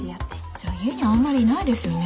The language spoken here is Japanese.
じゃあ家にあんまりいないですよね。